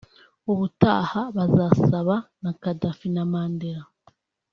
Ubutaha bazasaba na kadafi na mandela